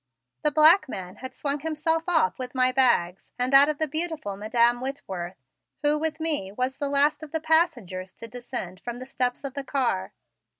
The black man had swung himself off with my bags and that of the beautiful Madam Whitworth, who with me was the last of the passengers to descend from the steps of the car.